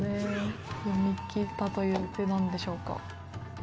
読み切ったという手なんでしょうか。